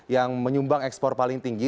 yang menyumbang ekspor paling tinggi